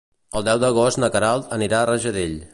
El deu d'agost na Queralt anirà a Rajadell.